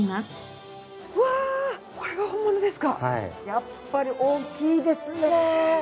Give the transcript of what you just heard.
やっぱり大きいですね！